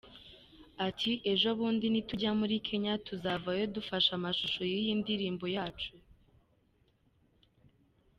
Ati: “Ejobundi nitujya muri Kenya tuzavayo dufashe amashusho y’iyi ndirimbo yacu.